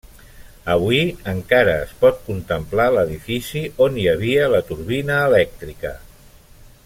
Avui encara es pot contemplar l'edifici on hi havia la turbina elèctrica.